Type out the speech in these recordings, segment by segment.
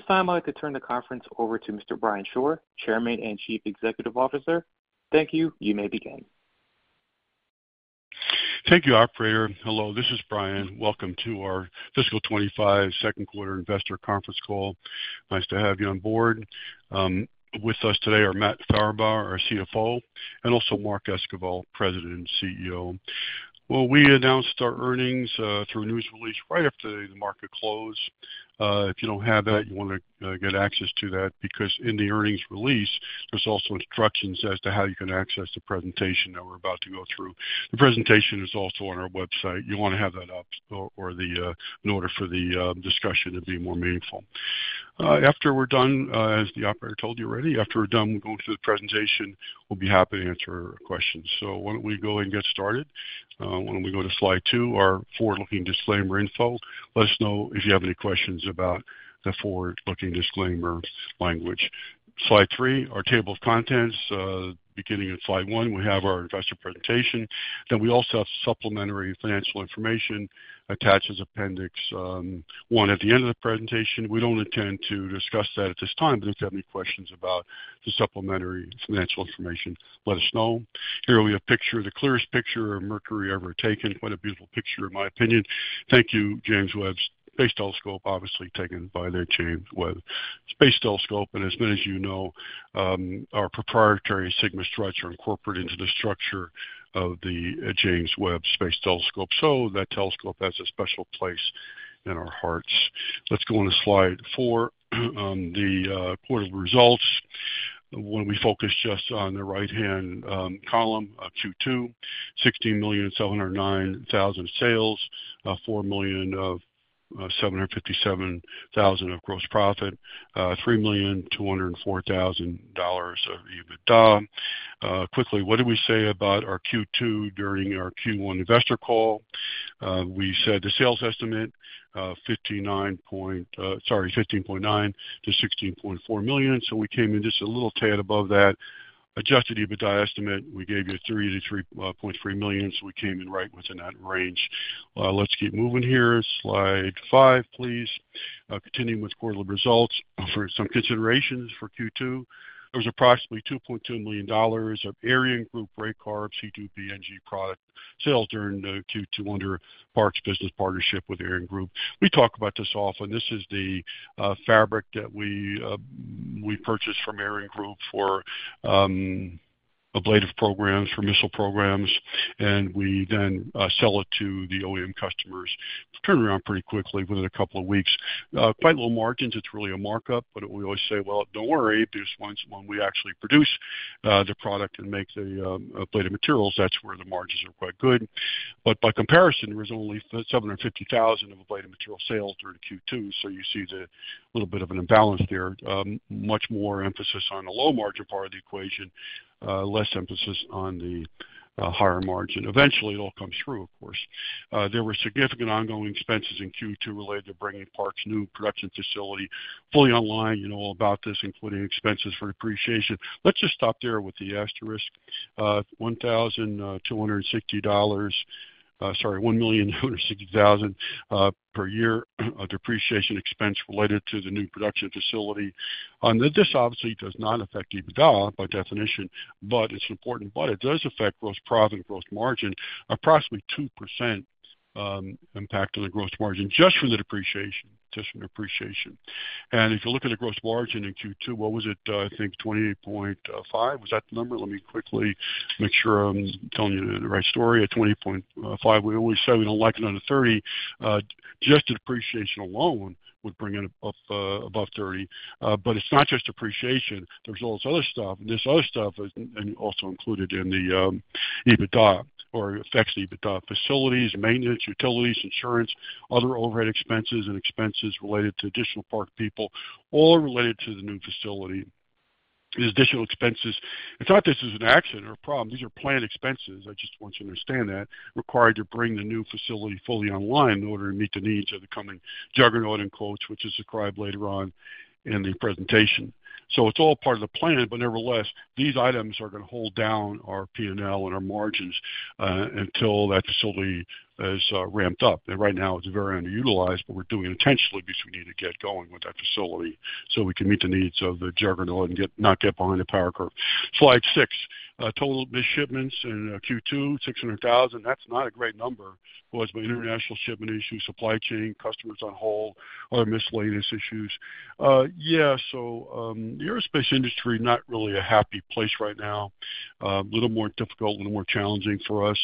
At this time, I'd like to turn the conference over to Mr. Brian Shore, Chairman and Chief Executive Officer. Thank you. You may begin. Thank you, operator. Hello, this is Brian. Welcome to our fiscal 2025 second quarter investor conference call. Nice to have you on board. With us today are Matt Farabaugh, our CFO, and also Mark Esquibel, President and CEO. Well, we announced our earnings through a news release right after the market close. If you don't have that, you want to get access to that, because in the earnings release, there's also instructions as to how you can access the presentation that we're about to go through. The presentation is also on our website. You want to have that up or the in order for the discussion to be more meaningful. After we're done, as the operator told you already, we'll go through the presentation. We'll be happy to answer your questions. So why don't we go ahead and get started? Why don't we go to slide two, our forward-looking disclaimer info. Let us know if you have any questions about the forward-looking disclaimer language. Slide three, our table of contents. Beginning in slide one, we have our investor presentation. Then we also have supplementary financial information attached as appendix, one at the end of the presentation. We don't intend to discuss that at this time, but if you have any questions about the supplementary financial information, let us know. Here we have a picture, the clearest picture of Mercury ever taken. Quite a beautiful picture, in my opinion. Thank you, James Webb Space Telescope, obviously taken by the James Webb Space Telescope. As many as you know, our proprietary Sigma Struts are incorporated into the structure of the James Webb Space Telescope. So that telescope has a special place in our hearts. Let's go on to slide four. The quarterly results. When we focus just on the right-hand column, Q2 $16,709,000 sales, $4,757,000 gross profit, $3,204,000 EBITDA. Quickly, what did we say about our Q2 during our Q1 investor call? We said the sales estimate, sorry, $15.9 million-$16.4 million. So we came in just a little tad above that. Adjusted EBITDA estimate, we gave you $3 million-$3.3 million, so we came in right within that range. Let's keep moving here. Slide five, please. Continuing with quarterly results for some considerations for Q2, there was approximately $2.2 million of ArianeGroup Raycarb C2B-NG product sales during the Q2 under PARK's business partnership with ArianeGroup. We talk about this often. This is the fabric that we purchase from ArianeGroup for ablative programs, for missile programs, and we then sell it to the OEM customers. It's turned around pretty quickly, within a couple of weeks. Quite low margins. It's really a markup, but we always say, "Well, don't worry, because once, when we actually produce the product and make the ablative materials, that's where the margins are quite good." But by comparison, there was only $750,000 of ablative material sales during Q2, so you see the little bit of an imbalance there. Much more emphasis on the low margin part of the equation, less emphasis on the higher margin. Eventually, it all comes through, of course. There were significant ongoing expenses in Q2 related to bringing PARC's new production facility fully online. You know all about this, including expenses for depreciation. Let's just stop there with the asterisk. $1,260,000 per year, a depreciation expense related to the new production facility. This obviously does not affect EBITDA by definition, but it's important. But it does affect gross profit and gross margin. Approximately 2% impact on the gross margin, just from the depreciation, just from depreciation. And if you look at the gross margin in Q2, what was it? I think 28.5%. Was that the number? Let me quickly make sure I'm telling you the right story. At 28.5, we always say we don't like it under 30. Just the depreciation alone would bring it up above 30, but it's not just depreciation. There's all this other stuff, and this other stuff is also included in the EBITDA or affects the EBITDA. Facilities, maintenance, utilities, insurance, other overhead expenses and expenses related to additional PARC people, all related to the new facility. These additional expenses; it's not an accident or a problem. These are planned expenses. I just want you to understand that. Required to bring the new facility fully online in order to meet the needs of the coming juggernaut in quotes, which is described later on in the presentation. So it's all part of the plan, but nevertheless, these items are going to hold down our P&L and our margins until that facility is ramped up. And right now it's very underutilized, but we're doing it intentionally because we need to get going with that facility so we can meet the needs of the juggernaut and get, not get behind the power curve. Slide six, total missed shipments in Q2, 600,000. That's not a great number. Was the international shipment issue, supply chain, customers on hold, other miscellaneous issues. Yeah, so, the aerospace industry, not really a happy place right now. A little more difficult, a little more challenging for us.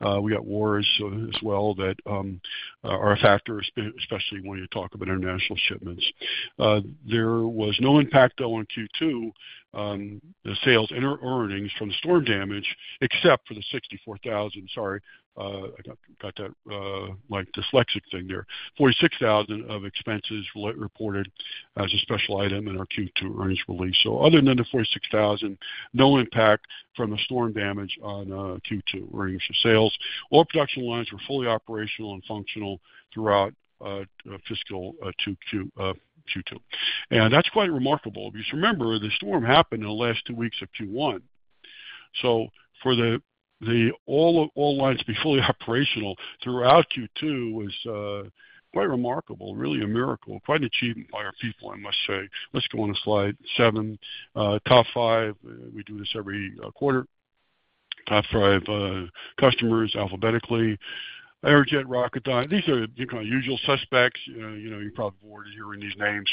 We got wars as well that are a factor, especially when you talk about international shipments. There was no impact, though, on Q2, the sales and earnings from the storm damage, except for the $64,000. Sorry, I got that like dyslexic thing there. $46,000 of expenses re-reported as a special item in our Q2 earnings release. So other than the $46,000, no impact from the storm damage on Q2 earnings and sales. All production lines were fully operational and functional throughout fiscal Q2. And that's quite remarkable because remember, the storm happened in the last two weeks of Q1. So for all lines to be fully operational throughout Q2 was quite remarkable, really a miracle. Quite an achievement by our people, I must say. Let's go on to slide seven. Top five. We do this every quarter. Top five customers, alphabetically. Aerojet Rocketdyne, these are kind of usual suspects. You know, you're probably bored of hearing these names.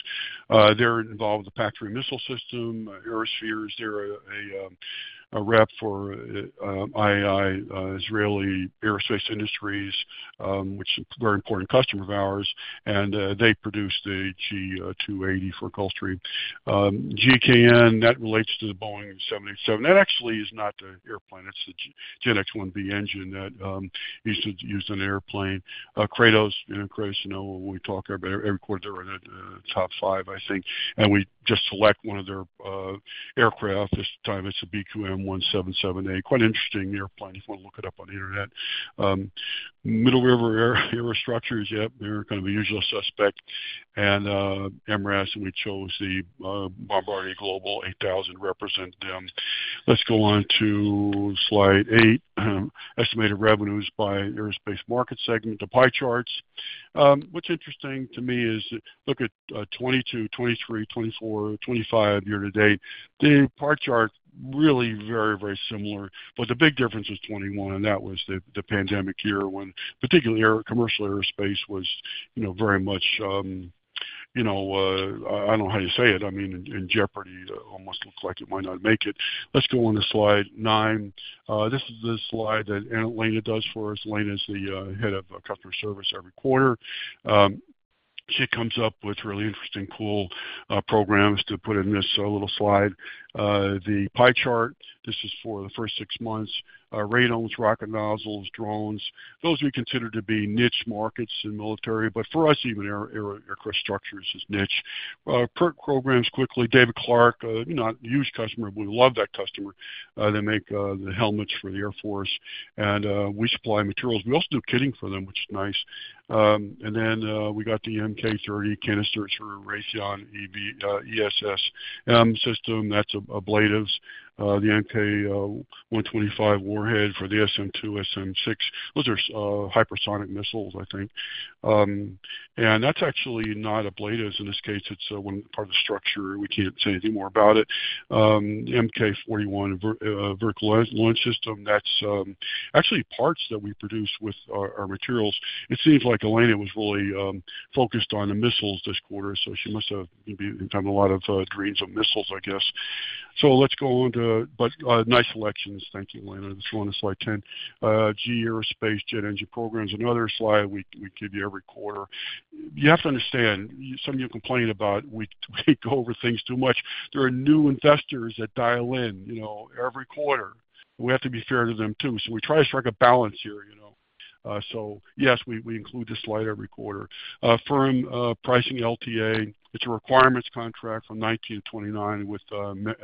They're involved with the Patriot missile system. Aerospheres, they're a rep for IAI, Israeli Aerospace Industries, which is a very important customer of ours, and they produce the G280 for Gulfstream. GKN, that relates to the Boeing 777. That actually is not the airplane, it's the GEnx-1B engine that used to use on an airplane. Kratos, you know, when we talk every quarter, they're in the top five, I think, and we just select one of their aircraft. This time it's a BQM-177A. Quite an interesting airplane if you want to look it up on the internet. Middle River Aerostructures, yep, they're kind of the usual suspect. MRAS, and we chose the Bombardier Global 8000 to represent them. Let's go on to slide eight. Estimated revenues by aerospace market segment, the pie charts. What's interesting to me is, look at 2022, 2023, 2024, 2025 year to date. The pie charts are really very, very similar, but the big difference is 2021, and that was the pandemic year, when particularly air commercial aerospace was, you know, very much, you know, I don't know how you say it, I mean, in jeopardy, almost looked like it might not make it. Let's go on to slide nine. This is the slide that Elena does for us. Elena is the head of customer service every quarter. She comes up with really interesting, cool programs to put in this little slide. The pie chart, this is for the first six months. Radomes, rocket nozzles, drones, those we consider to be niche markets in military, but for us, even aerostructures is niche. Current programs, quickly, David Clark, you know, a huge customer, we love that customer. They make the helmets for the Air Force, and we supply materials. We also do kitting for them, which is nice. And then we got the MK-30 canisters for Raytheon ESSM system, that's ablatives. The MK-125 warhead for the SM-2, SM-6, those are hypersonic missiles, I think. And that's actually not ablatives in this case, it's one part of the structure. We can't say anything more about it. MK 41 vertical launch system, that's actually parts that we produce with our materials. It seems like Elena was really focused on the missiles this quarter, so she must have maybe been having a lot of dreams of missiles, I guess. So let's go on to... But, nice selections. Thank you, Elena. Let's go on to slide 10. GE Aerospace jet engine program is another slide we give you every quarter. You have to understand, some of you complain about we go over things too much. There are new investors that dial in, you know, every quarter. We have to be fair to them, too. So we try to strike a balance here, you know. So yes, we include this slide every quarter. Firm pricing LTA. It's a requirements contract from 1929 with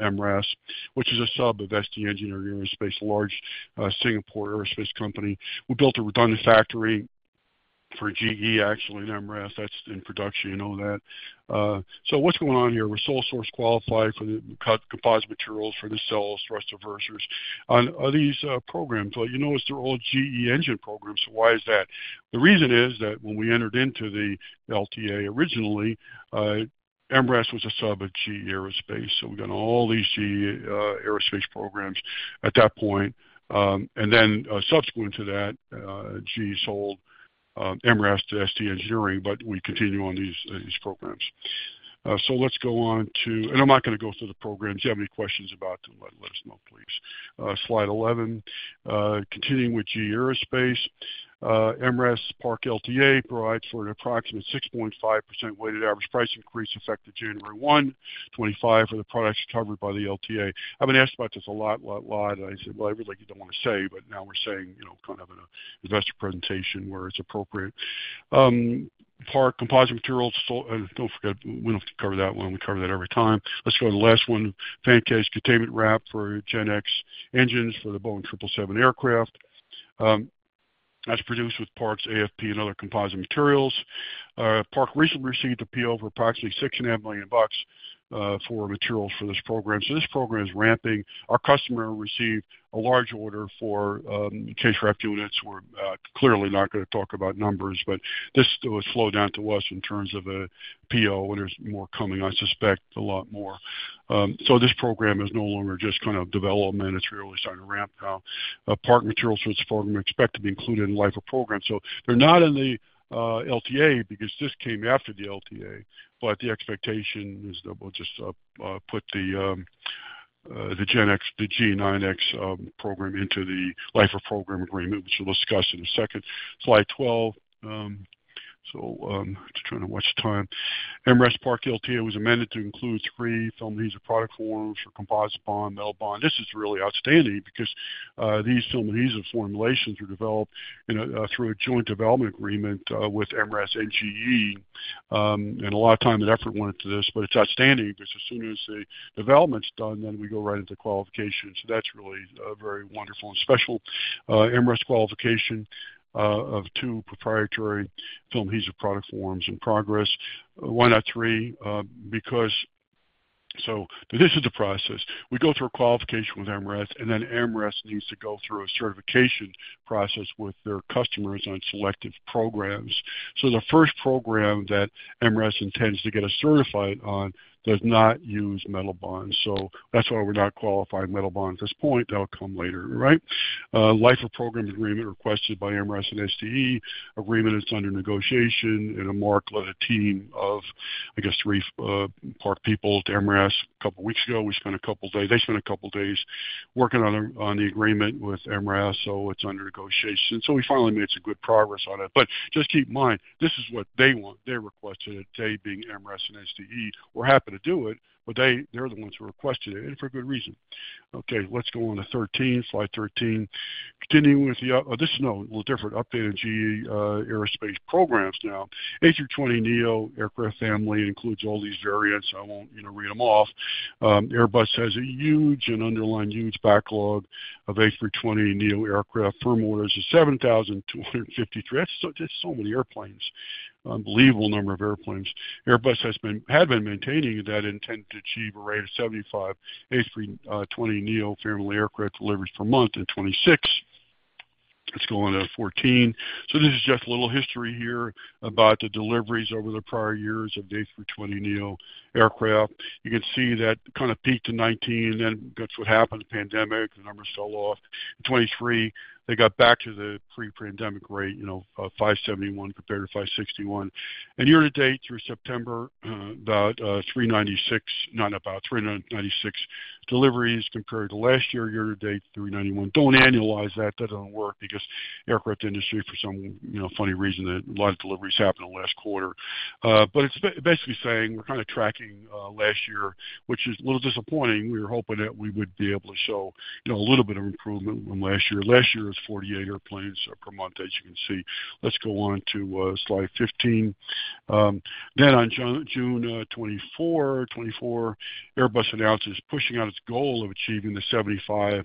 MRAS, which is a sub of ST Engineering Aerospace, a large Singapore aerospace company. We built a redundant factory for GE, actually, in MRAS. That's in production, you know that. So what's going on here? We're sole source qualified for the composite materials for the nacelles, thrust reversers. On these programs, well, you notice they're all GE engine programs. So why is that? The reason is that when we entered into the LTA originally, MRAS was a sub of GE Aerospace, so we got all these GE aerospace programs at that point. And then, subsequent to that, GE sold MRAS to ST Engineering, but we continue on these programs. So let's go on to... And I'm not going to go through the programs. You have any questions about them, let us know, please. Slide 11, continuing with GE Aerospace, MRAS PARC LTA provides for an approximate 6.5% weighted average price increase, effective January 1, 2025, for the products covered by the LTA. I've been asked about this a lot, and I said, "Well, everything you don't want to say, but now we're saying, you know, kind of in an investor presentation where it's appropriate." PARC composite materials. So, don't forget, we don't have to cover that one. We cover that every time. Let's go to the last one. Fan case containment wrap for GEnx engines for the Boeing 777 aircraft. That's produced with PARC's AFP and other composite materials. PARC recently received a PO for approximately $6.5 million for materials for this program. So this program is ramping. Our customer received a large order for case wrap units. We're clearly not going to talk about numbers, but this was slowed down to us in terms of a PO, and there's more coming, I suspect a lot more. So this program is no longer just kind of development. It's really starting to ramp now. PARC materials for this program are expected to be included in the life of program. So they're not in the LTA because this came after the LTA, but the expectation is that we'll just put the GEnx, the GE9X, program into the life of program agreement, which we'll discuss in a second. Slide twelve. So just trying to watch the time. MRAS PARC LTA was amended to include three film adhesive product forms for composite bond, metal bond. This is really outstanding because these film adhesive formulations were developed in a through a joint development agreement with MRAS and GE. And a lot of time and effort went into this, but it's outstanding because as soon as the development's done, then we go right into qualification. So that's really very wonderful and special. MRAS qualification of two proprietary film adhesive product forms in progress. Why not three? So this is the process. We go through a qualification with MRAS, and then MRAS needs to go through a certification process with their customers on selective programs. So the first program that MRAS intends to get us certified on does not use metal bonds. So that's why we're not qualifying metal bond at this point. That'll come later, right? Life of program agreement requested by MRAS and ST Engineering. Agreement is under negotiation, and Mark led a team of, I guess, three Park people to MRAS a couple weeks ago. We spent a couple days. They spent a couple of days working on the agreement with MRAS, so it's under negotiation. So we finally made some good progress on it. But just keep in mind, this is what they want. They requested it, they being MRAS and ST Engineering. We're happy to do it, but they, they're the ones who requested it, and for good reason. Okay, let's go on to thirteen, slide thirteen. Continuing with the, this is now a little different, updated GE Aerospace programs now. A320neo aircraft family includes all these variants. I won't, you know, read them off. Airbus has a huge, and underline huge, backlog of A320neo aircraft. Firm orders is 7,253. That's just so many airplanes. Unbelievable number of airplanes. Airbus had been maintaining that intent to achieve a rate of 75 A320neo family aircraft deliveries per month in 2026. Let's go on to 2014. So this is just a little history here about the deliveries over the prior years of the A320neo aircraft. You can see that kind of peaked in 2019, and then that's what happened, pandemic, the numbers fell off. In 2023, they got back to the pre-pandemic rate, you know, 571 compared to 561. And year-to-date, through September, 396 deliveries compared to last year, year-to-date, 391. Don't annualize that, that doesn't work, because aircraft industry for some, you know, funny reason, a lot of deliveries happen in the last quarter. But it's basically saying we're kind of tracking last year, which is a little disappointing. We were hoping that we would be able to show, you know, a little bit of improvement from last year. Last year was 48 airplanes per month, as you can see. Let's go on to slide 15. Then on June 24, 2024, Airbus announced it's pushing out its goal of achieving the 75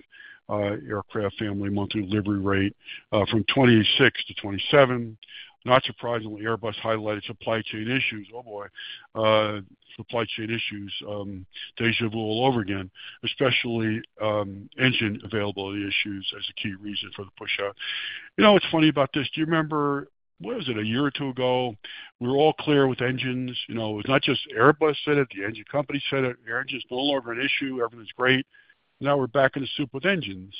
aircraft family monthly delivery rate from 2026 to 2027. Not surprisingly, Airbus highlighted supply chain issues. Oh, boy, supply chain issues, déjà vu all over again, especially engine availability issues as a key reason for the push out. You know what's funny about this? Do you remember, what was it, a year or two ago, we were all clear with engines. You know, it was not just Airbus said it, the engine company said it. The engine is no longer an issue. Everything's great. Now we're back in the soup with engines.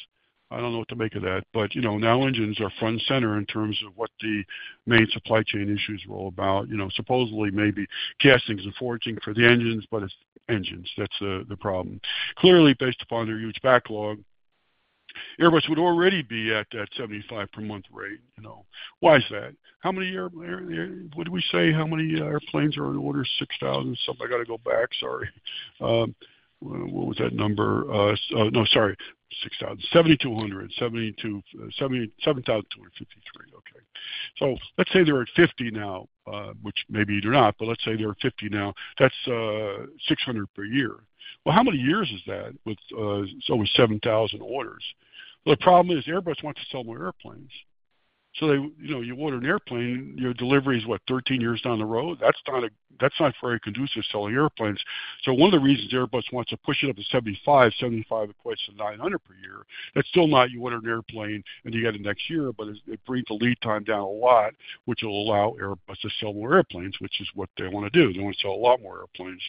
I don't know what to make of that, but, you know, now engines are front and center in terms of what the main supply chain issues are all about. You know, supposedly maybe castings and forging for the engines, but it's engines, that's the, the problem. Clearly, based upon their huge backlog, Airbus would already be at that 75 per month rate, you know. Why is that? How many air-- What did we say? How many airplanes are on order? 6,000 something. I got to go back. What was that number? No, 6,000. 7,200. 72, 70, 7,253. Okay. So let's say they're at 50 now, which maybe they're not, but let's say they are at 50 now. That's 600 per year. Well, how many years is that with over 7,000 orders? Well, the problem is, Airbus wants to sell more airplanes. So they, you know, you order an airplane, your delivery is, what, 13 years down the road? That's not a-- That's not very conducive to selling airplanes. So one of the reasons Airbus wants to push it up to 75, 75 equates to 900 per year. That's still not you order an airplane, and you get it next year, but it, it brings the lead time down a lot, which will allow Airbus to sell more airplanes, which is what they want to do. They want to sell a lot more airplanes.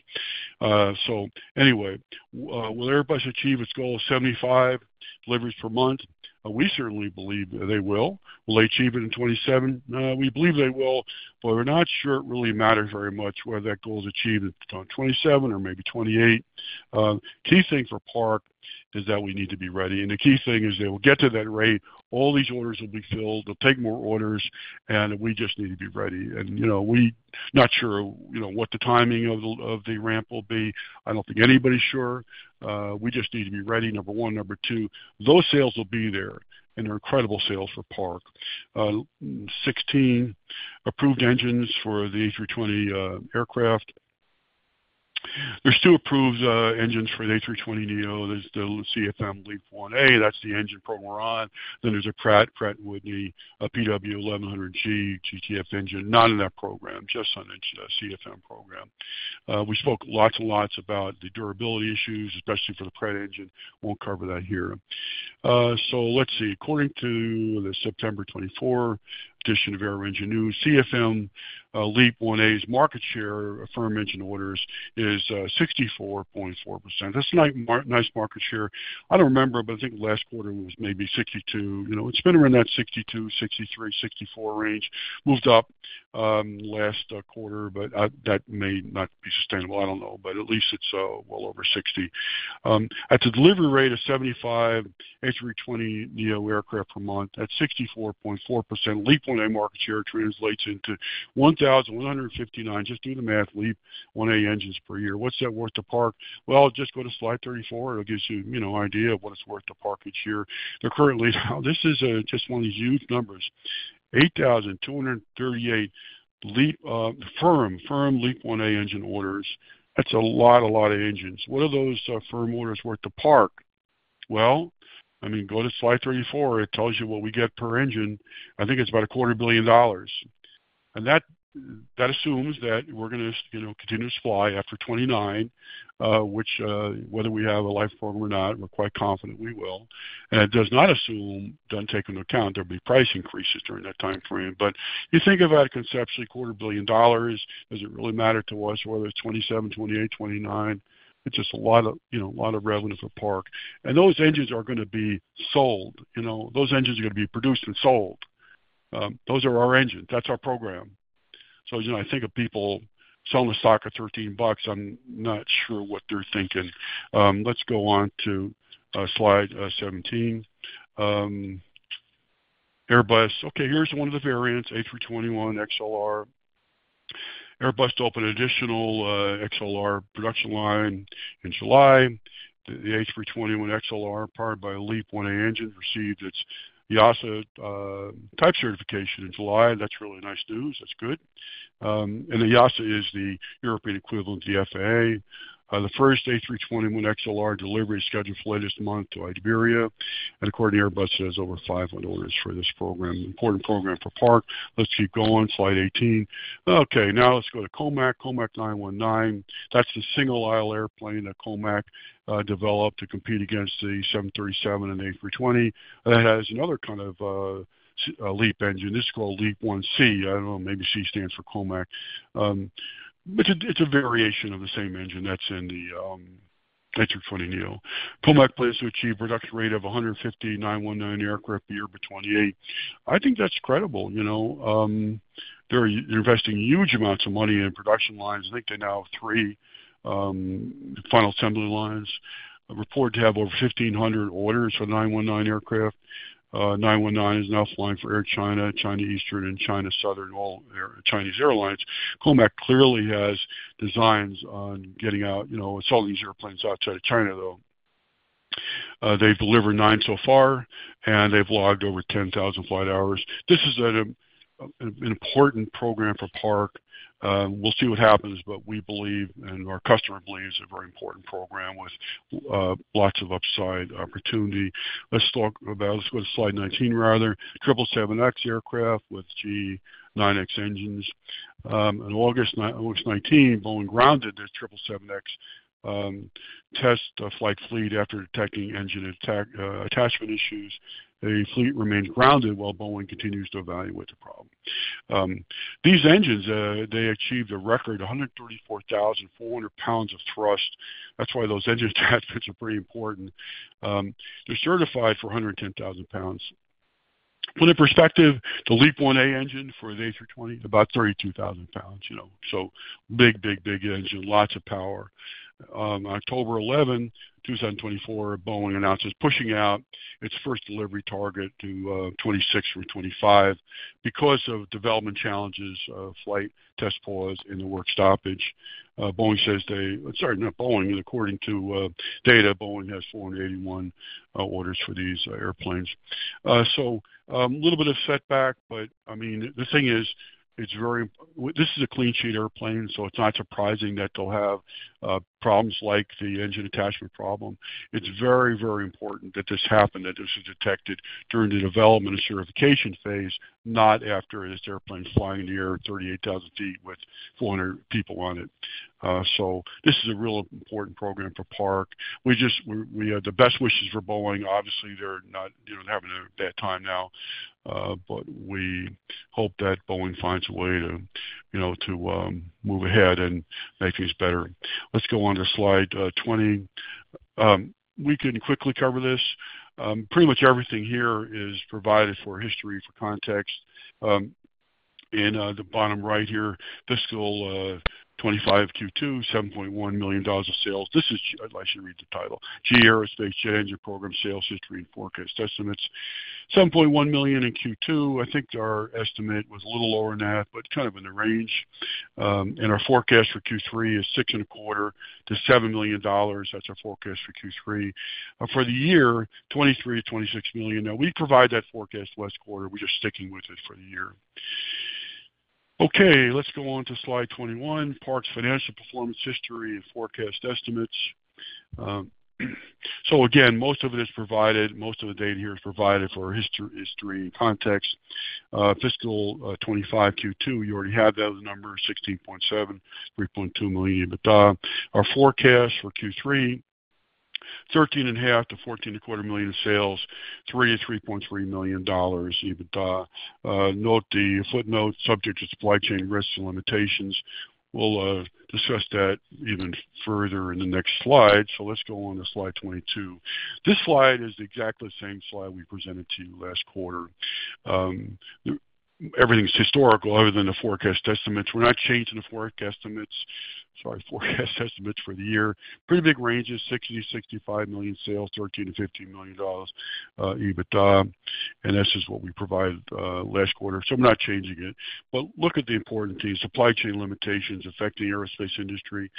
So anyway, will Airbus achieve its goal of 75 deliveries per month? We certainly believe they will. Will they achieve it in 2027? We believe they will, but we're not sure it really matters very much whether that goal is achieved in 2027 or maybe 2028. Key thing for Park is that we need to be ready, and the key thing is they will get to that rate. All these orders will be filled. They'll take more orders, and we just need to be ready. You know, we're not sure what the timing of the ramp will be. I don't think anybody's sure. We just need to be ready, number one. Number two, those sales will be there, and they're incredible sales for Park. 16 approved engines for the A320 aircraft. There's two approved engines for the A320neo. There's the CFM LEAP-1A, that's the engine program we're on. Then there's a Pratt, Pratt & Whitney, a PW1100G GTF engine. Not in that program, just on the CFM program. We spoke lots and lots about the durability issues, especially for the Pratt engine. Won't cover that here. So let's see. According to the September 2024 edition of Aeroengine News, CFM LEAP-1A's market share for engine orders is 64.4%. That's a nice market share. I don't remember, but I think last quarter was maybe 62. You know, it's been around that 62, 63, 64 range. Moved up last quarter, but that may not be sustainable. I don't know, but at least it's well over 60. At a delivery rate of 75 A320neo aircraft per month, at 64.4% LEAP-1A market share translates into 1,159, just do the math, LEAP-1A engines per year. What's that worth to Park? Just go to slide 34. It'll give you, you know, an idea of what it's worth to Park each year. They're currently, this is just one of these huge numbers, 8,238 LEAP firm LEAP-1A engine orders. That's a lot of engines. What are those firm orders worth to Park? Well, I mean, go to slide 34. It tells you what we get per engine. I think it's about $250 million. And that assumes that we're gonna, you know, continue to supply after 2029, which, whether we have a life of program or not, we're quite confident we will. And it does not assume, doesn't take into account there'll be price increases during that time frame. But you think about it conceptually, $250 million, does it really matter to us whether it's 2027, 2028, 2029? It's just a lot of, you know, a lot of revenue for Park. And those engines are gonna be sold, you know, those engines are gonna be produced and sold. Those are our engines. That's our program. So, you know, I think of people selling the stock at $13, I'm not sure what they're thinking. Let's go on to slide 17. Airbus. Okay, here's one of the variants, A321XLR. Airbus opened additional XLR production line in July. The A321XLR, powered by a LEAP-1A engine, received its EASA type certification in July. That's really nice news. That's good, and the EASA is the European equivalent of the FAA. The first A321XLR delivery is scheduled for late this month to Iberia, and according to Airbus, has over 500 orders for this program. Important program for Park. Let's keep going. Slide 18. Okay, now let's go to COMAC. COMAC C919. That's the single-aisle airplane that COMAC developed to compete against the seven thirty-seven and A320. That has another kind of LEAP engine. This is called LEAP-1C. I don't know, maybe C stands for COMAC. But it's a, it's a variation of the same engine that's in the A320neo. COMAC plans to achieve production rate of 150 C919 aircraft per year by 2028. I think that's credible, you know? They're investing huge amounts of money in production lines. I think they now have three final assembly lines. Reported to have over 1,500 orders for C919 aircraft. C919 is now flying for Air China, China Eastern and China Southern, all Chinese airlines. COMAC clearly has designs on getting out, you know, selling these airplanes outside of China, though. They've delivered nine so far, and they've logged over 10,000 flight hours. This is an important program for Park. We'll see what happens, but we believe, and our customer believes, a very important program with lots of upside opportunity. Let's talk about... Let's go to slide 19, rather. 777X aircraft with GE9X engines. In August 2019, Boeing grounded their 777X test flight fleet after detecting engine attachment issues. The fleet remains grounded while Boeing continues to evaluate the problem. These engines, they achieved a record 134,400 pounds of thrust. That's why those engine attachments are pretty important. They're certified for 110,000 pounds. To put in perspective, the LEAP-1A engine for the A320, about 32,000 lbs, you know, so big, big, big engine, lots of power. October 11, 2024, Boeing announces, pushing out its first delivery target to 2026 through 2025 because of development challenges, flight test pause in the work stoppage. Boeing says they, sorry, not Boeing. According to data, Boeing has 481 orders for these airplanes. So, a little bit of setback, but I mean, the thing is, it's very, this is a clean sheet airplane, so it's not surprising that they'll have problems like the engine attachment problem. It's very, very important that this happened, that this was detected during the development and certification phase, not after this airplane is flying in the air at 38,000 ft with 400 people on it. So this is a real important program for PARK. We just the best wishes for Boeing. Obviously, they're not, you know, having a bad time now, but we hope that Boeing finds a way to, you know, to move ahead and make things better. Let's go on to slide 20. We can quickly cover this. Pretty much everything here is provided for history, for context. In the bottom right here, fiscal 2025 Q2, $7.1 million of sales. This is... I'd like you to read the title. GE Aerospace Jet Engine Program Sales History and Forecast Estimates. $7.1 million in Q2. I think our estimate was a little lower than that, but kind of in the range, and our forecast for Q3 is $6.25 million-$7 million. That's our forecast for Q3. For the year, $23 million-$26 million. Now, we provide that forecast last quarter. We're just sticking with it for the year. Okay, let's go on to slide 21, Park's financial performance history and forecast estimates, so again, most of it is provided. Most of the data here is provided for history and context. Fiscal 2025 Q2, you already have those numbers, $16.7, $3.2 million EBITDA. Our forecast for Q3, $13.5 million-$14.25 million in sales, $3 million-$3.3 million EBITDA. Note the footnote subject to supply chain risks and limitations. We'll discuss that even further in the next slide. So let's go on to slide 22. This slide is exactly the same slide we presented to you last quarter. Everything's historical other than the forecast estimates. We're not changing the forecast estimates. Sorry, forecast estimates for the year. Pretty big ranges, $60 million-$65 million sales, $13 million-$15 million EBITDA, and that's just what we provided last quarter. So I'm not changing it. But look at the important things, supply chain limitations affecting the aerospace industry.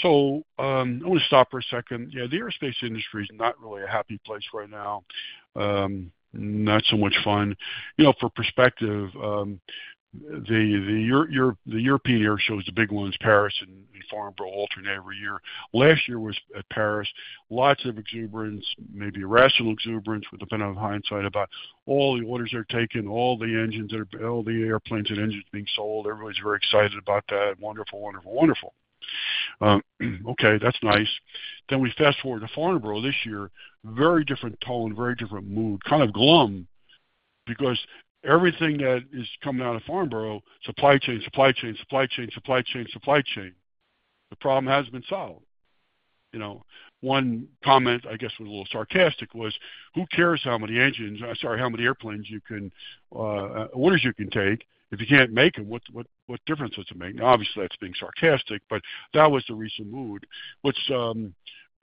So, I want to stop for a second. Yeah, the aerospace industry is not really a happy place right now. Not so much fun. You know, for perspective, the European Air Show is the big one, is Paris and we alternate every year. Last year was at Paris. Lots of exuberance, maybe irrational exuberance, with the benefit of hindsight, about all the orders they're taking, all the airplanes and engines being sold. Everybody's very excited about that. Wonderful, wonderful, wonderful. Okay, that's nice. Then we fast forward to Farnborough this year. Very different tone, very different mood. Kind of glum, because everything that is coming out of Farnborough, supply chain, supply chain, supply chain, supply chain, supply chain. The problem hasn't been solved. You know, one comment, I guess, was a little sarcastic, was: Who cares how many engines, sorry, how many airplanes you can, orders you can take? If you can't make them, what difference does it make? Now, obviously, that's being sarcastic, but that was the recent mood. What's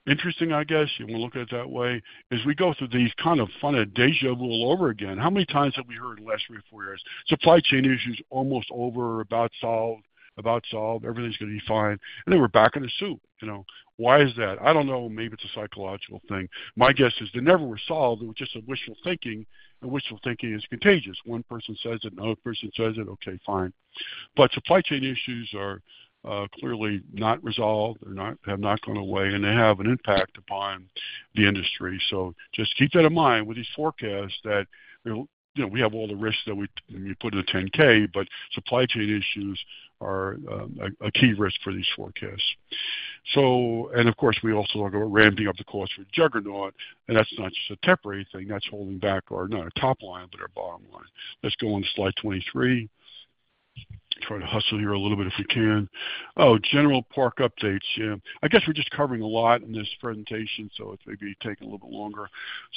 interesting, I guess, if you want to look at it that way, is we go through this kind of funny déjà vu all over again. How many times have we heard in the last three or four years? Supply chain issues almost over, about solved, about solved, everything's going to be fine, and then we're back in the soup. You know, why is that? I don't know. Maybe it's a psychological thing. My guess is they never were solved. It was just a wishful thinking, and wishful thinking is contagious. One person says it, another person says it, okay, fine, but supply chain issues are clearly not resolved or have not gone away, and they have an impact upon the industry, so just keep that in mind with these forecasts that, you know, we have all the risks that we put in the 10-K, but supply chain issues are a key risk for these forecasts, so and of course, we also talk about ramping up the cost for Juggernaut, and that's not just a temporary thing, that's holding back our, not our top line, but our bottom line. Let's go on to slide 23. Try to hustle here a little bit, if we can. Oh, general Park updates. Yeah, I guess we're just covering a lot in this presentation, so it's maybe taking a little bit longer.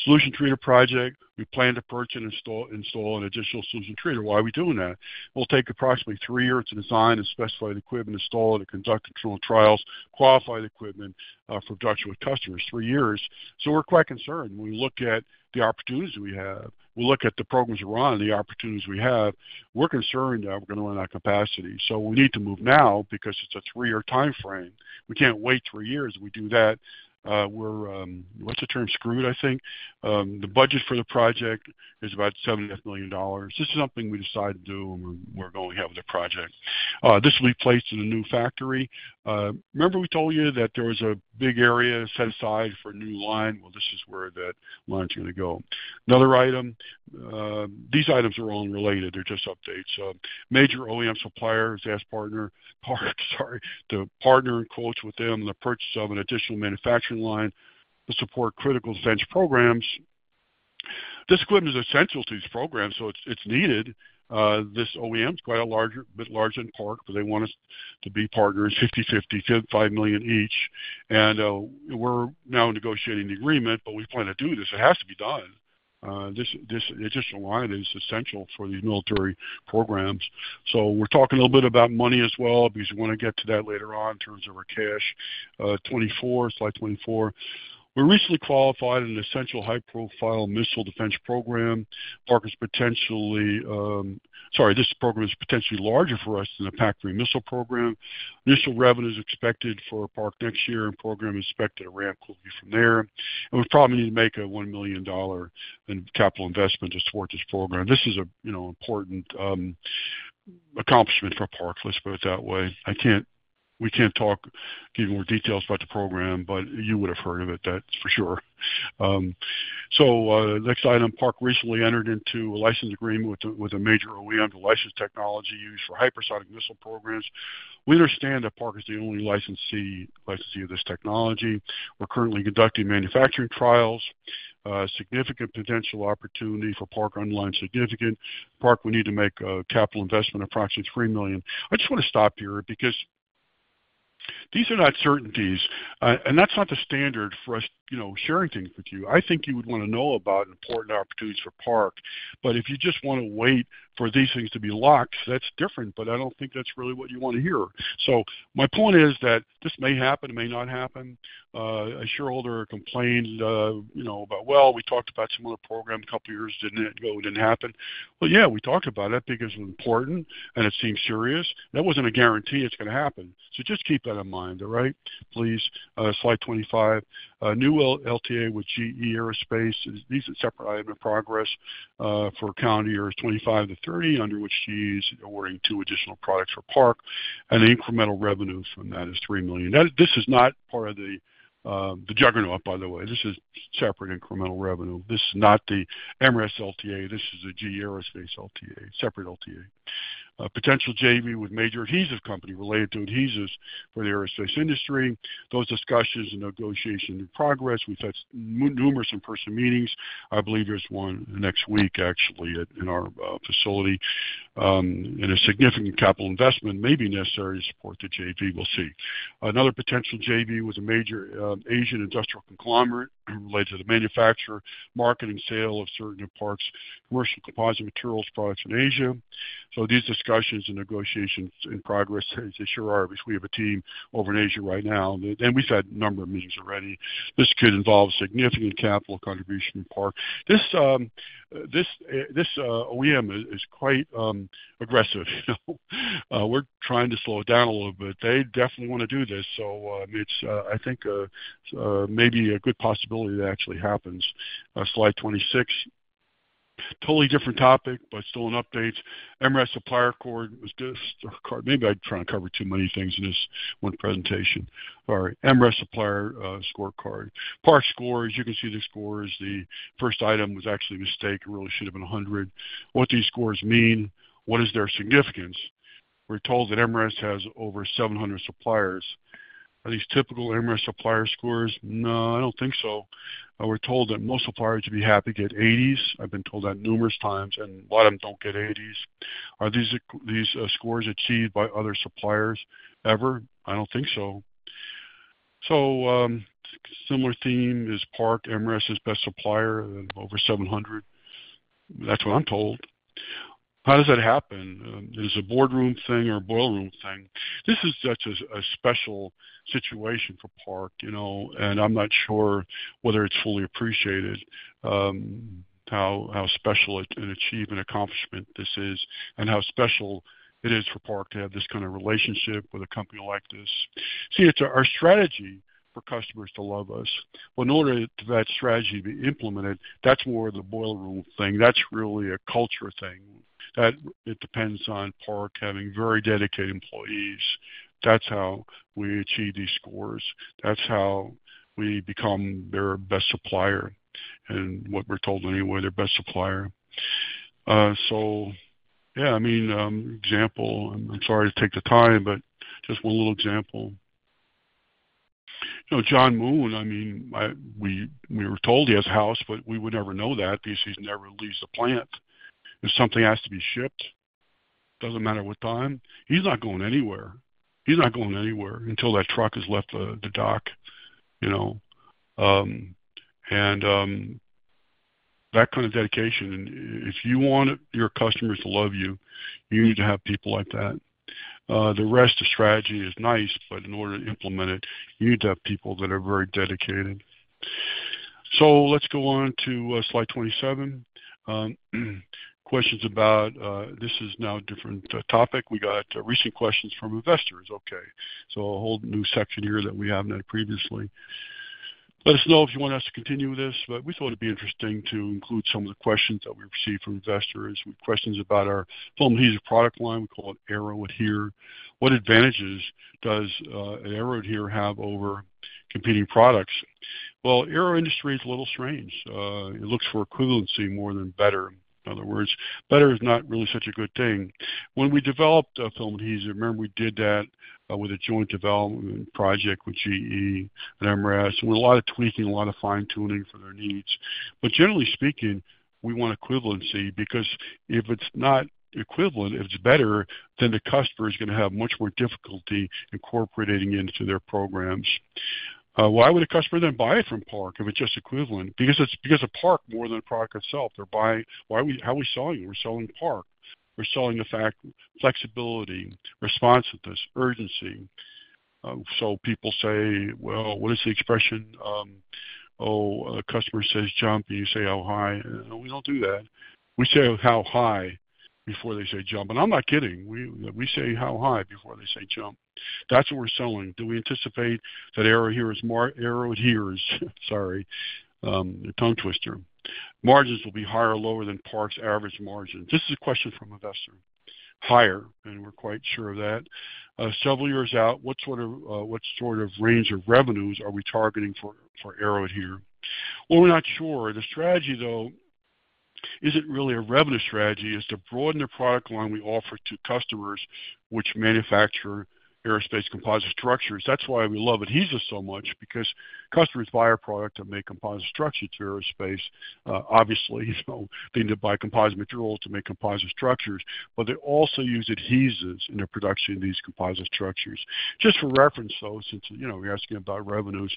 Solution treater project. We plan to purchase and install an additional solution treater. Why are we doing that? We'll take approximately three years to design the specified equipment, install it, and conduct qualification trials, qualify the equipment, for production with customers. Three years, so we're quite concerned when we look at the opportunities we have. We look at the programs we're on and the opportunities we have, we're concerned that we're going to run out of capacity, so we need to move now because it's a three-year timeframe. We can't wait three years. If we do that, we're, what's the term? Screwed, I think. The budget for the project is about $75 million. This is something we decided to do, and we're going to have the project. This will be placed in a new factory. Remember we told you that there was a big area set aside for a new line? Well, this is where that line is going to go. Another item, these items are all unrelated. They're just updates. So major OEM supplier, Safran partner, partner, sorry, to partner in quotes with them, the purchase of an additional manufacturing line to support critical defense programs. This equipment is essential to these programs, so it's needed. This OEM is quite a bit larger than Park, but they want us to be partners, 50/50, $55 million each. And we're now negotiating the agreement, but we plan to do this. It has to be done. This additional line is essential for these military programs. So we're talking a little bit about money as well, because we want to get to that later on in terms of our cash. Slide 24. We recently qualified an essential high-profile missile defense program. Park is potentially, sorry, this program is potentially larger for us than the PAC-3 missile program. Initial revenue is expected for Park next year, and program expected to ramp quickly from there. We probably need to make a $1 million capital investment to support this program. This is a, you know, important accomplishment for Park, let's put it that way. I can't. We can't talk, give you more details about the program, but you would have heard of it, that's for sure. Next item, Park recently entered into a license agreement with a major OEM to license technology used for hypersonic missile programs. We understand that Park is the only licensee of this technology. We're currently conducting manufacturing trials, significant potential opportunity for Park, underlying significant. Park will need to make a capital investment of approximately $3 million. I just want to stop here because these are not certainties, and that's not the standard for us, you know, sharing things with you. I think you would want to know about important opportunities for Park, but if you just want to wait for these things to be locked, that's different, but I don't think that's really what you want to hear. So my point is that this may happen, it may not happen. A shareholder complained, you know, about, well, we talked about similar program a couple of years, didn't it go, didn't happen? Well, yeah, we talked about it because it was important, and it seemed serious. That wasn't a guarantee it's going to happen. So just keep that in mind, all right, please? Slide 25. A new LTA with GE Aerospace. These are separate item in progress for calendar years 2025 to 2030, under which she's awarding two additional products for Park, and the incremental revenue from that is $3 million. This is not part of the Juggernaut, by the way. This is separate incremental revenue. This is not the MRAS LTA. This is a GE Aerospace LTA, separate LTA. Potential JV with major adhesive company related to adhesives for the aerospace industry. Those discussions and negotiations in progress. We've had numerous in-person meetings. I believe there's one next week, actually, at our facility, and a significant capital investment may be necessary to support the JV. We'll see. Another potential JV with a major Asian industrial conglomerate related to the manufacture, marketing, sale of certain of Park's commercial composite materials products in Asia. So these discussions and negotiations in progress, as they sure are, because we have a team over in Asia right now, and we've had a number of meetings already. This could involve significant capital contribution from Park. This OEM is quite aggressive. You know, we're trying to slow it down a little bit. They definitely want to do this, so it's I think maybe a good possibility that actually happens. Slide 26. Totally different topic, but still in updates. MRAS Supplier Scorecard was just our card. Maybe I'm trying to cover too many things in this one presentation. All right, MRAS Supplier Scorecard. Park scores. You can see the scores. The first item was actually a mistake. It really should have been 100. What these scores mean, what is their significance? We're told that MRAS has over 700 suppliers. Are these typical MRAS supplier scores? No, I don't think so. But we're told that most suppliers should be happy to get eighties. I've been told that numerous times, and a lot of them don't get eighties. Are these scores achieved by other suppliers ever? I don't think so. So, similar theme is Park, MRAS's best supplier, over 700. That's what I'm told. How does that happen? There's a boardroom thing or a boiler room thing. This is such a special situation for Park, you know, and I'm not sure whether it's fully appreciated, how special an achievement, accomplishment this is, and how special it is for Park to have this kind of relationship with a company like this. See, it's our strategy for customers to love us. In order for that strategy to be implemented, that's more of the boiler room thing. That's really a culture thing, that it depends on Park having very dedicated employees. That's how we achieve these scores. That's how we become their best supplier and what we're told, anyway, their best supplier. So yeah, I mean, example, I'm sorry to take the time, but just one little example. You know, John Moon, I mean, we were told he has a house, but we would never know that because he never leaves the plant. If something has to be shipped, doesn't matter what time, he's not going anywhere. He's not going anywhere until that truck has left the dock, you know. And that kind of dedication, if you want your customers to love you, you need to have people like that. The rest of strategy is nice, but in order to implement it, you need to have people that are very dedicated. So let's go on to slide 27. Questions about this is now a different topic. We got recent questions from investors. Okay, so a whole new section here that we haven't had previously. Let us know if you want us to continue with this, but we thought it'd be interesting to include some of the questions that we've received from investors. With questions about our film adhesive product line, we call it AeroAdhere. What advantages does Aero-Adhere have over competing products? Well, aero industry is a little strange. It looks for equivalency more than better. In other words, better is not really such a good thing. When we developed a film adhesive, remember, we did that with a joint development project with GE and MRAS, with a lot of tweaking, a lot of fine-tuning for their needs. But generally speaking, we want equivalency because if it's not equivalent, if it's better, then the customer is going to have much more difficulty incorporating into their programs. Why would a customer then buy it from Park if it's just equivalent? Because it's, because of Park, more than the product itself. They're buying... Why are we, how are we selling? We're selling Park. We're selling the fact, flexibility, responsiveness, urgency. So people say, well, what is the expression? Oh, a customer says, Jump, and you say, How high? No, we don't do that. We say, How high, before they say, Jump. I'm not kidding, we say, How high, before they say, Jump. That's what we're selling. Do we anticipate that Aero here is more- Aero-Adhere, sorry, tongue twister. Margins will be higher or lower than Park's average margin. This is a question from investor. Higher, and we're quite sure of that. Several years out, what sort of range of revenues are we targeting for Aero-Adhere? Well, we're not sure. The strategy, though, isn't really a revenue strategy. It is to broaden the product line we offer to customers which manufacture aerospace composite structures. That's why we love adhesives so much, because customers buy our product to make composite structures for aerospace. Obviously, you know, they need to buy composite materials to make composite structures, but they also use adhesives in their production of these composite structures. Just for reference, though, since, you know, we're asking about revenues,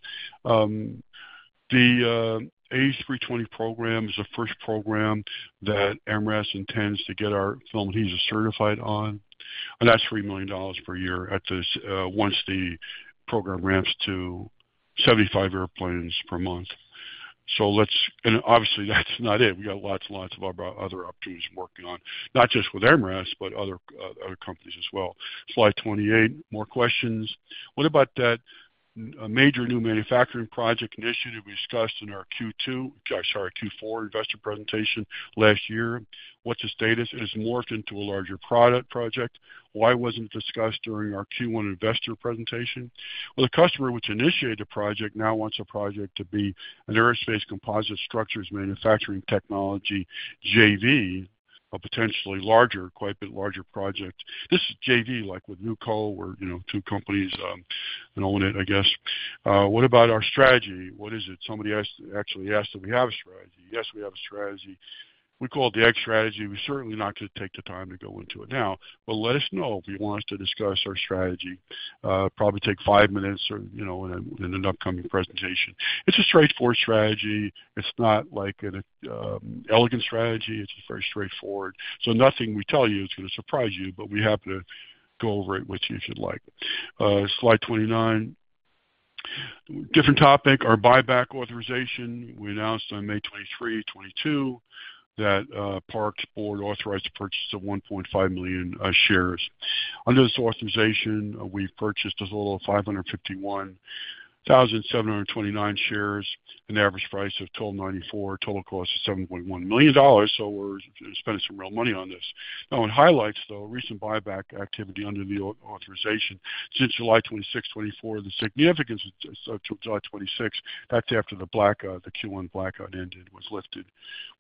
the A320 program is the first program that MRAS intends to get our film adhesive certified on, and that's $3 million per year once the program ramps to 75 airplanes per month. So let's-- and obviously, that's not it. We got lots of other opportunities we're working on, not just with MRAS, but other companies as well. Slide 28, more questions. What about that a major new manufacturing project initiative we discussed in our Q2, sorry, Q4 investor presentation last year? What's the status? It has morphed into a larger product project. Why wasn't it discussed during our Q1 investor presentation? Well, the customer, which initiated the project, now wants the project to be an aerospace composite structures manufacturing technology JV, a potentially larger, quite a bit larger project. This is JV, like with Newco, where, you know, two companies own it, I guess. What about our strategy? What is it? Somebody asked, actually asked, do we have a strategy? Yes, we have a strategy. We call it the Egg strategy. We're certainly not going to take the time to go into it now, but let us know if you want us to discuss our strategy. Probably take five minutes or, you know, in an upcoming presentation. It's a straightforward strategy. It's not like an elegant strategy. It's very straightforward. So nothing we tell you is going to surprise you, but we're happy to go over it with you if you'd like. Slide 29. Different topic, our buyback authorization. We announced on May 23, 2022, that Park's board authorized the purchase of 1.5 million shares. Under this authorization, we've purchased as little as 551,729 shares, an average price of $12.94, total cost of $7.1 million. So we're spending some real money on this. Now, in highlights, though, recent buyback activity under the authorization since July 26, 2024, the significance of July 26, that's after the blackout, the Q1 blackout ended, was lifted.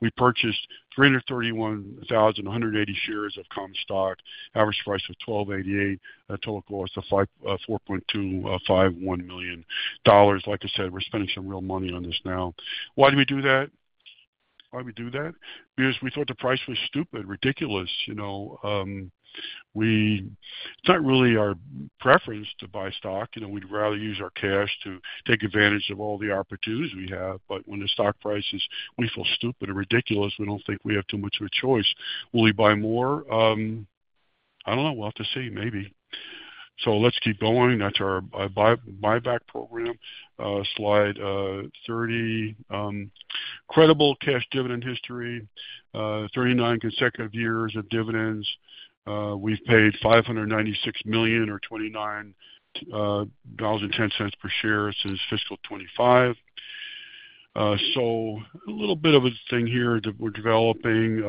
We purchased 331,180 shares of common stock, average price of $12.88, a total cost of $4.251 million. Like I said, we're spending some real money on this now. Why do we do that? Why do we do that? Because we thought the price was stupid, ridiculous. You know, we-- it's not really our preference to buy stock. You know, we'd rather use our cash to take advantage of all the opportunities we have. But when the stock price is, we feel stupid and ridiculous, we don't think we have too much of a choice. Will we buy more? I don't know. We'll have to see. Maybe. So let's keep going. That's our buyback program. Slide 30. Credible cash dividend history, 39 consecutive years of dividends. We've paid $596 million or $29.10 per share since fiscal 2025. So a little bit of a thing here that we're developing,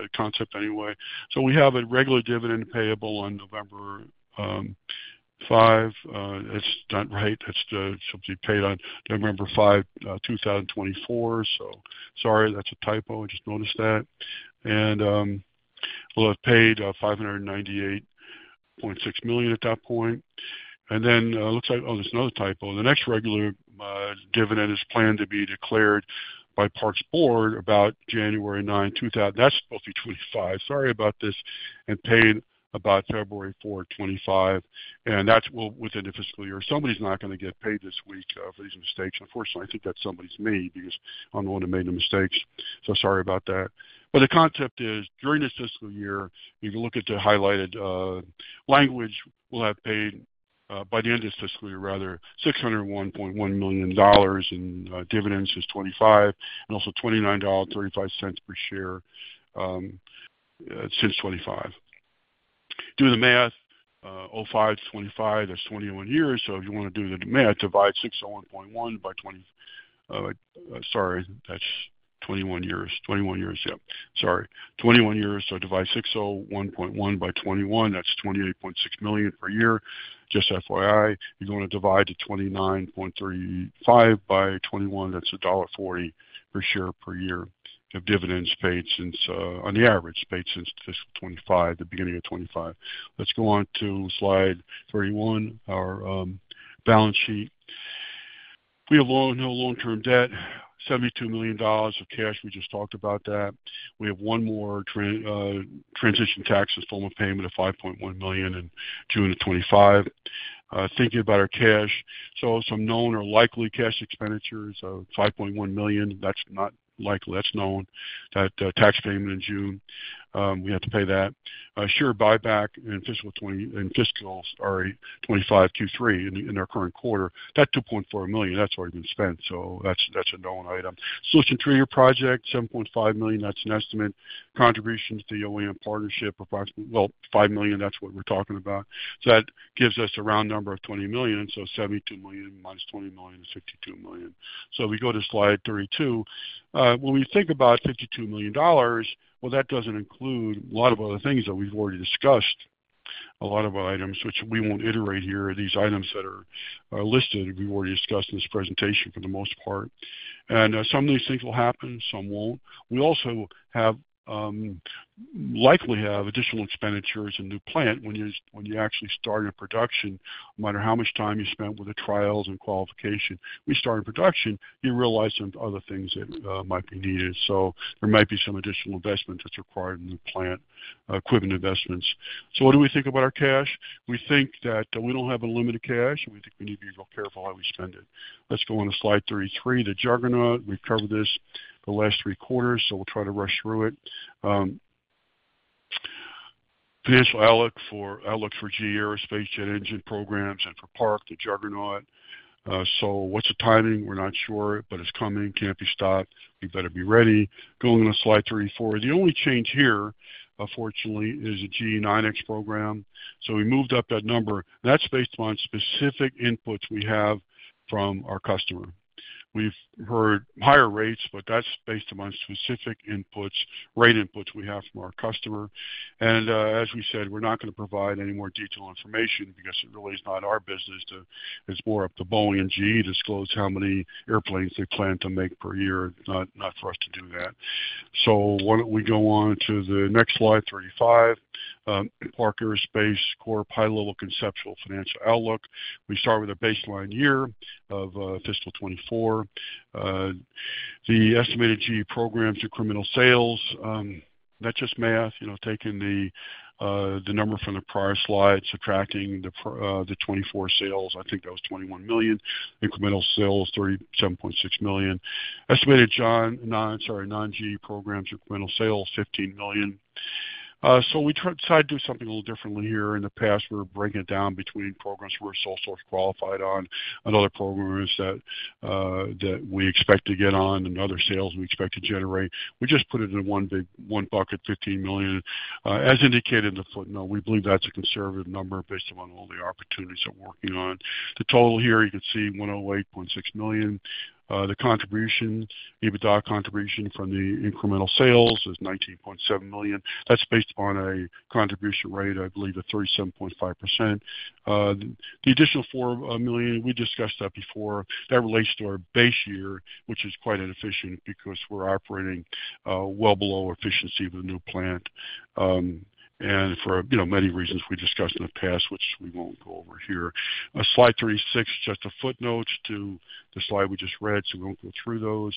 a concept anyway. So we have a regular dividend payable on November 5. That's not right. That's should be paid on November 5, 2024. So sorry, that's a typo. I just noticed that. And we'll have paid $598.6 million at that point. And then looks like. Oh, there's another typo. The next regular dividend is planned to be declared by Park's board about January 9, 2025. Sorry about this, and paid about February 4, 2025, and that's well within the fiscal year. Somebody's not going to get paid this week for these mistakes. Unfortunately, I think that somebody's me because I'm the one who made the mistakes, so sorry about that. But the concept is during this fiscal year, if you look at the highlighted language, we'll have paid by the end of this fiscal year, rather, $601.1 million in dividends since 2005 and also $29.35 per share since 2005. Do the math, 2005 to 2025, that's 21. So if you want to do the math, divide 601.1 by 20. Sorry, that's 21 years. So divide 601.1 by 21, that's $28.6 million per year. Just FYI, you're going to divide the 29.35 by 21. That's $1.40 per share per year of dividends paid since, on the average, paid since fiscal 2025, the beginning of 2025. Let's go on to slide 31, our balance sheet. We have low, no long-term debt, $72 million of cash. We just talked about that. We have one more transition taxes, formal payment of $5.1 million in June of 2025. Thinking about our cash, so some known or likely cash expenditures of $5.1 million, that's not likely. That's known. That tax payment in June, we have to pay that. Share buyback in fiscal twenty... In fiscal, sorry, twenty-five two three in, in our current quarter. That $2.4 million, that's already been spent, so that's a known item. Solution three-year project, $7.5 million. That's an estimate. Contributions to the OAM partnership, approximately, well, $5 million. That's what we're talking about. So that gives us a round number of $20 million. $72 million minus $20 million is $62 million. We go to slide 32. When we think about $52 million, well, that doesn't include a lot of other things that we've already discussed. A lot of items which we won't iterate here are these items that are listed. We've already discussed in this presentation for the most part. Some of these things will happen, some won't. We also likely have additional expenditures and new plant when you actually start a production, no matter how much time you spent with the trials and qualification. We start in production. You realize some other things that might be needed. There might be some additional investment that's required in new plant equipment investments. What do we think about our cash? We think that, we don't have a limited cash, and we think we need to be real careful how we spend it. Let's go on to slide thirty-three, the Juggernaut. We've covered this the last three quarters, so we'll try to rush through it. Financial outlook for GE Aerospace jet engine programs and for Park, the Juggernaut. So what's the timing? We're not sure, but it's coming. Can't be stopped. We better be ready. Going on to slide thirty-four. The only change here, unfortunately, is the GE9X program. So we moved up that number. That's based on specific inputs we have from our customer. We've heard higher rates, but that's based on specific inputs, rate inputs we have from our customer. And, as we said, we're not going to provide any more detailed information because it really is not our business to... It's more up to Boeing and GE to disclose how many airplanes they plan to make per year. Not, not for us to do that. Why don't we go on to the next slide, thirty-five. Park Aerospace Corp, high-level conceptual financial outlook. We start with a baseline year of fiscal 2024. The estimated GE programs, incremental sales, that's just math, you know, taking the number from the prior slide, subtracting the twenty-four sales, I think that was $21 million. Incremental sales, $37.6 million. Estimated non-GE programs, incremental sales, $15 million... So we tried to do something a little differently here. In the past, we were breaking it down between programs we're sole source qualified on, and other programs that we expect to get on, and other sales we expect to generate. We just put it in one big, one bucket, $15 million. As indicated in the footnote, we believe that's a conservative number based upon all the opportunities that we're working on. The total here, you can see, $108.6 million. The contribution, EBITDA contribution from the incremental sales is $19.7 million. That's based upon a contribution rate, I believe, of 37.5%. The additional four million, we discussed that before. That relates to our base year, which is quite inefficient because we're operating well below efficiency of the new plant. And for, you know, many reasons we discussed in the past, which we won't go over here. Slide 36, just the footnotes to the slide we just read, so we won't go through those.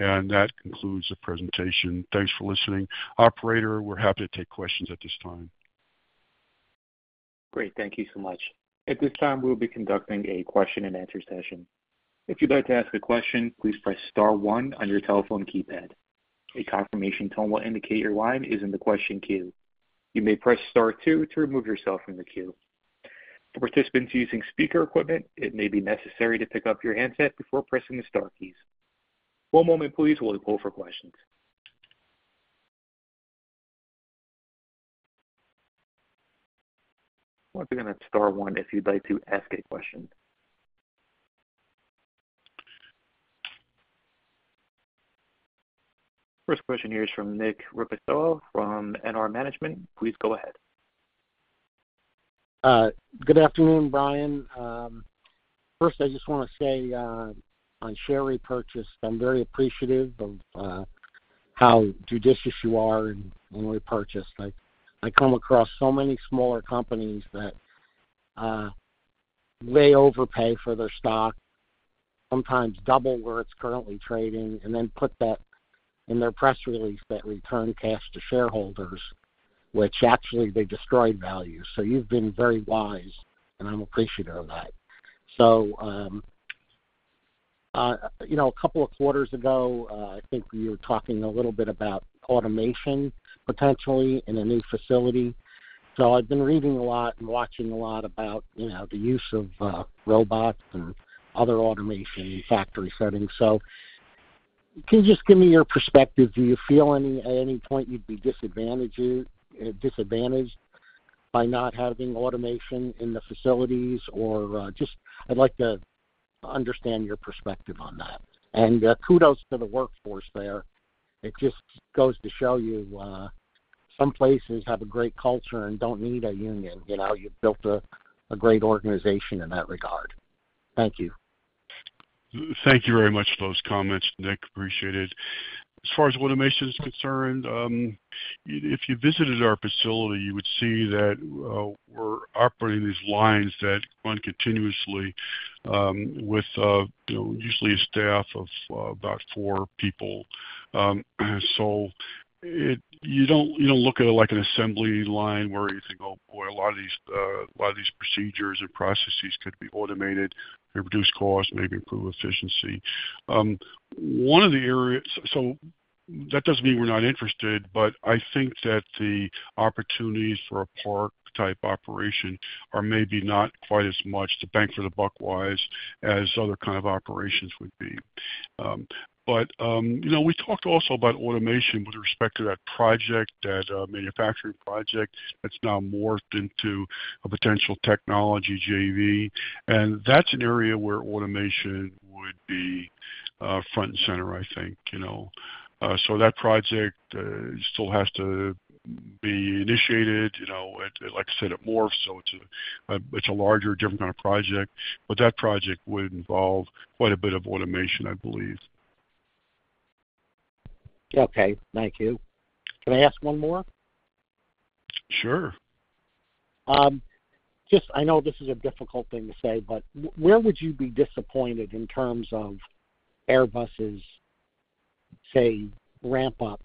And that concludes the presentation. Thanks for listening. Operator, we're happy to take questions at this time. Great. Thank you so much. At this time, we'll be conducting a question-and-answer session. If you'd like to ask a question, please press star one on your telephone keypad. A confirmation tone will indicate your line is in the question queue. You may press star two to remove yourself from the queue. For participants using speaker equipment, it may be necessary to pick up your handset before pressing the star keys. One moment please, while we pull for questions. Once again, that's star one if you'd like to ask a question. First question here is from Nick Ripostella from NR Management. Please go ahead. Good afternoon, Brian. First, I just wanna say, on share repurchase, I'm very appreciative of how judicious you are in when we purchase. I come across so many smaller companies that they overpay for their stock, sometimes double where it's currently trading, and then put that in their press release, that return cash to shareholders, which actually they destroy value. So you've been very wise, and I'm appreciative of that. So you know, a couple of quarters ago, I think you were talking a little bit about automation, potentially in a new facility. So I've been reading a lot and watching a lot about, you know, the use of robots and other automation in factory settings. So can you just give me your perspective? Do you feel at any point you'd be disadvantaged by not having automation in the facilities? Or, just I'd like to understand your perspective on that, and kudos to the workforce there. It just goes to show you, some places have a great culture and don't need a union. You know, you've built a great organization in that regard. Thank you. Thank you very much for those comments, Nick. Appreciate it. As far as automation is concerned, if you visited our facility, you would see that we're operating these lines that run continuously, with you know usually a staff of about four people. You don't, you know, look at it like an assembly line where you think, "Oh, boy, a lot of these procedures and processes could be automated. They reduce costs, maybe improve efficiency." One of the areas. So that doesn't mean we're not interested, but I think that the opportunities for a Park-type operation are maybe not quite as much the bang for the buck wise as other kind of operations would be. But, you know, we talked also about automation with respect to that project, that manufacturing project that's now morphed into a potential technology JV, and that's an area where automation would be front and center, I think, you know. So that project still has to be initiated, you know. Like I said, it morphed, so it's a larger, different kind of project, but that project would involve quite a bit of automation, I believe. Okay, thank you. Can I ask one more? Sure. Just, I know this is a difficult thing to say, but where would you be disappointed in terms of Airbus's, say, ramp up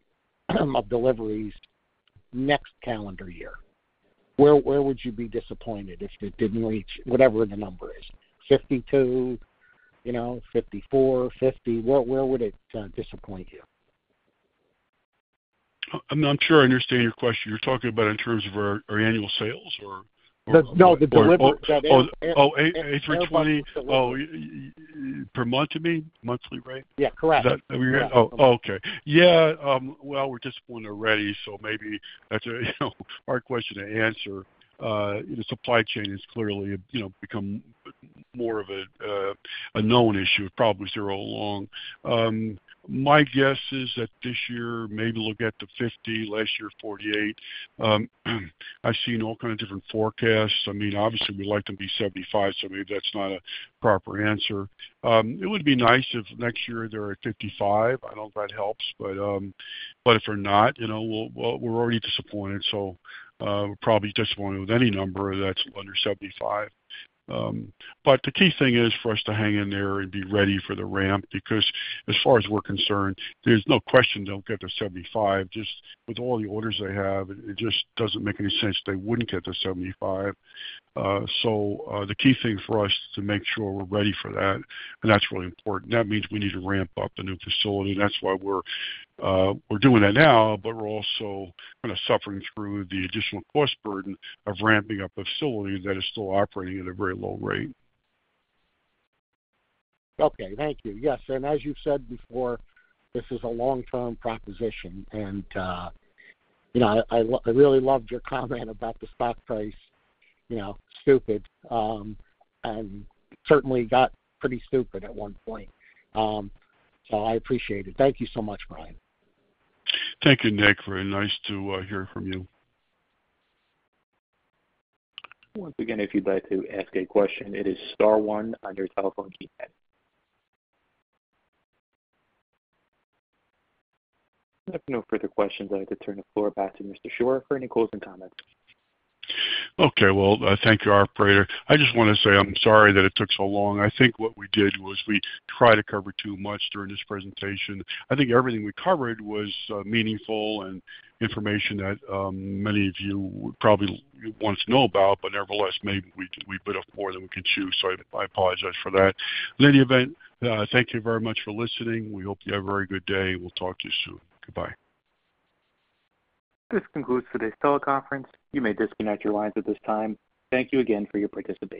of deliveries next calendar year? Where would it disappoint you? Fifty-two, you know, fifty-four, fifty. Where would it disappoint you? I'm not sure I understand your question. You're talking about in terms of our annual sales or? No, the delivery- Oh, A320. Oh, per month, you mean? Monthly, right? Yeah, correct. Is that what you... Oh, okay. Yeah, well, we're disappointed already, so maybe that's a, you know, hard question to answer. The supply chain is clearly, you know, become more of a, a known issue, probably zero along. My guess is that this year, maybe we'll get to 50, last year, 48. I've seen all kinds of different forecasts. I mean, obviously, we'd like them to be 75 so maybe that's not a proper answer. It would be nice if next year they're at 55. I don't know if that helps, but, but if they're not, you know, we'll, we're already disappointed, so, we're probably disappointed with any number that's under 72. But the key thing is for us to hang in there and be ready for the ramp, because as far as we're concerned, there's no question they'll get to 75. Just with all the orders they have, it just doesn't make any sense they wouldn't get to 75. So, the key thing for us is to make sure we're ready for that, and that's really important. That means we need to ramp up the new facility, and that's why we're doing that now, but we're also kind of suffering through the additional cost burden of ramping up a facility that is still operating at a very low rate. Okay. Thank you. Yes, and as you've said before, this is a long-term proposition, and you know, I really loved your comment about the stock price, you know, stupid, and certainly got pretty stupid at one point. So I appreciate it. Thank you so much, Brian. Thank you, Nick. Very nice to hear from you. Once again, if you'd like to ask a question, it is star one on your telephone keypad. If no further questions, I'd like to turn the floor back to Mr. Shore for any closing comments. Okay, well, thank you, operator. I just want to say I'm sorry that it took so long. I think what we did was we tried to cover too much during this presentation. I think everything we covered was meaningful and information that many of you would probably want to know about, but nevertheless, maybe we bit off more than we could chew, so I apologize for that. In any event, thank you very much for listening. We hope you have a very good day. We'll talk to you soon. Goodbye. This concludes today's teleconference. You may disconnect your lines at this time. Thank you again for your participation.